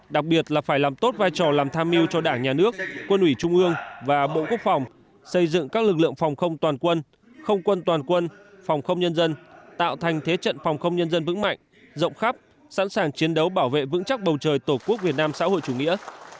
đặc biệt là phải làm tốt vai trò làm tham mưu cho đảng nhà nước quân ủy trung ương và bộ quốc phòng xây dựng các lực lượng phòng không toàn quân không quân toàn quân phòng không nhân dân tạo thành thế trận phòng không nhân dân vững mạnh rộng khắp sẵn sàng chiến đấu bảo vệ vững chắc bầu trời tổ quốc việt nam xã hội chủ nghĩa